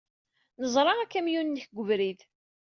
Neẓra akamyun-nnek deg ubrid.